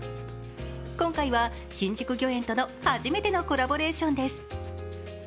今回は新宿御苑との初めてのコラボレーションです。